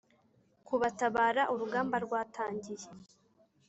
kubatabara Urugamba rwatangiye